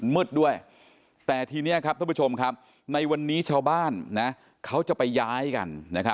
มืดด้วยแต่ทีนี้ครับท่านผู้ชมครับในวันนี้ชาวบ้านเขาจะไปย้ายกัน